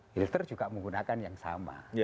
hilster juga menggunakan yang sama